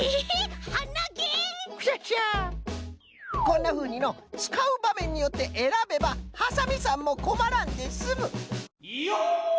こんなふうにのつかうばめんによってえらべばハサミさんもこまらんですむ。